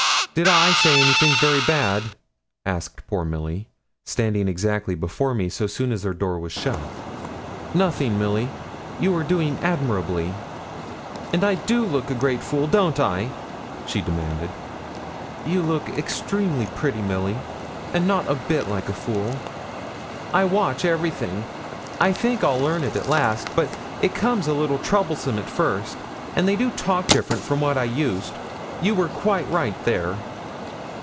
'Did I say anything very bad?' asked poor Milly, standing exactly before me, so soon as our door was shut. 'Nothing, Milly; you are doing admirably.' 'And I do look a great fool, don't I?' she demanded. 'You look extremely pretty, Milly; and not a bit like a fool.' 'I watch everything. I think I'll learn it at last; but it comes a little troublesome at first; and they do talk different from what I used you were quite right there.'